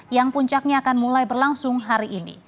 yang puncaknya akan mulai berlangsung hari ini